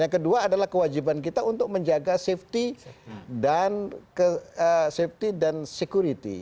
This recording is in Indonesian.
yang kedua adalah kewajiban kita untuk menjaga safety dan safety dan security